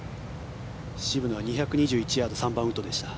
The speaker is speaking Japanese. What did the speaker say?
渋野は２２１ヤード３番ウッドでした。